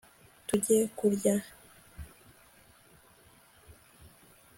tujye kurya